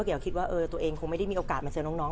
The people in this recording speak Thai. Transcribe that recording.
เกี่ยวคิดว่าตัวเองคงไม่ได้มีโอกาสมาเจอน้อง